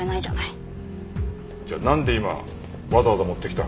じゃあなんで今わざわざ持ってきた？